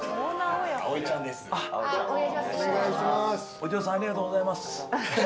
・お嬢さんありがとうございます。